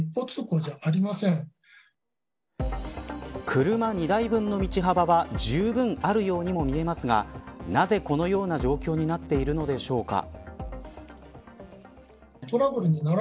車２台分の道幅はじゅうぶんあるようにも見えますがなぜこのような状況になっているのでしょうか。